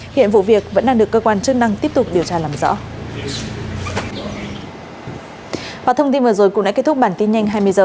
hiện vụ việc vẫn đang được cơ quan chức năng tiếp tục điều tra làm rõ